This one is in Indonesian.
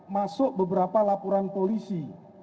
masuk beberapa laporan polisi